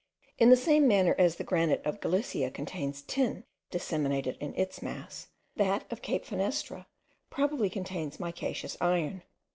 In the same manner as the granite of Galicia contains tin disseminated in its mass, that of Cape Finisterre probably contains micaceous iron.